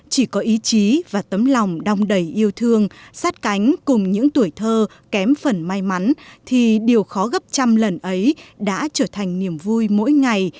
chỉ có ý chí và tấm lòng đong đầy yêu thương sát cánh cùng những tuổi thơ kém phần may mắn thì điều khó gấp trăm lần ấy đã trở thành niềm vui mỗi ngày